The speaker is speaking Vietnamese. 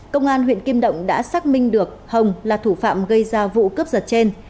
công an huyện kim động đã xác minh được hồng là thủ phạm gây ra vụ cướp giật trên